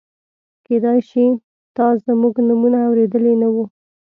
کېدای شي تا زموږ نومونه اورېدلي نه وي.